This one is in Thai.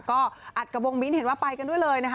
ก็อัดกระวงมิ้นเห็นว่าไปกันด้วยเลยนะคะ